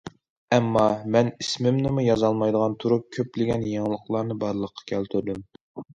ئەمما، مەن ئىسمىمنىمۇ يازالمايدىغان تۇرۇپ كۆپلىگەن يېڭىلىقلارنى بارلىققا كەلتۈردۈم.